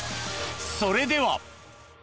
［それでは］